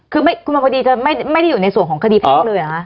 คือคุณมาพอดีจะไม่ได้อยู่ในส่วนของคดีแพ่งเลยเหรอคะ